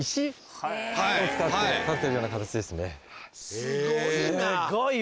すごいわ。